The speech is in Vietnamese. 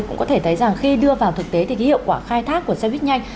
cũng có thể thấy rằng khi đưa vào thực tế thì hiệu quả khai thác của xe buýt nhanh